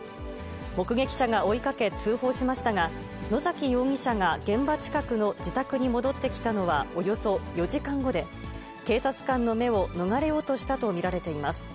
目撃者が追いかけ、通報しましたが、野崎容疑者が現場近くの自宅に戻ってきたのはおよそ４時間後で、警察官の目を逃れようとしたと見られています。